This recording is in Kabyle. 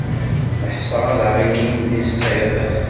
Neḥṣa ad aɣ-inin d isiḍ.